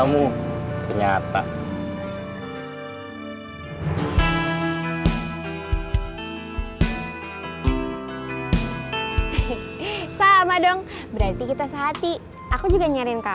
bukan buat mereka ibu terus buat siapa